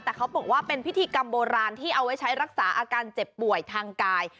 แต่เขาบอกว่าเป็นพิธีกรรมโบราณที่เอาไว้ใช้รักษาอาการเจ็บป่วยทางกาย